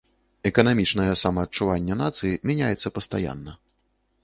Эканамічнае самаадчуванне нацыі мяняецца пастаянна.